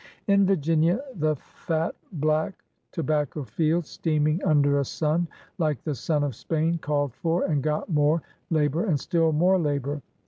In Virginia the fat, black, tobacco fields, steaming under a sim like the sun of Spain, called for and got more labor and still more labor.